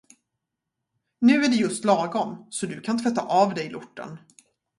Nu är det just lagom, så du kan tvätta av dig lorten.